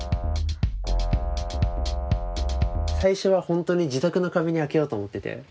最初は本当に自宅の壁に開けようと思ってて。